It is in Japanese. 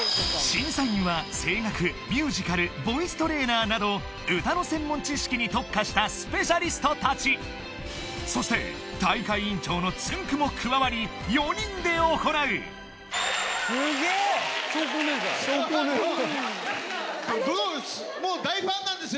審査員は声楽ミュージカルボイストレーナーなど歌の専門知識に特化したスペシャリストたちそして大会委員長のつんく♂も加わり４人で行うどうです？